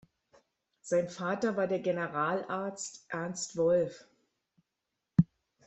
Sein Vater war der Generalarzt Ernst Wolff.